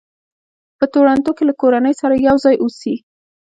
په ټورنټو کې له کورنۍ سره یو ځای اوسي.